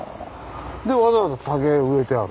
でわざわざ竹を植えてある。